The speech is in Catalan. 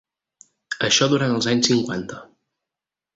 Això durant els anys cinquanta.